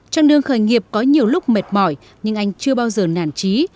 trang đường khởi nghiệp có nhiều lúc mệt mỏi nhưng anh chưa bao giờ nản trí